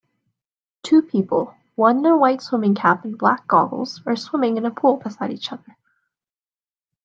Two People one in a white swimming cap and black goggles are swimming in a pool beside each other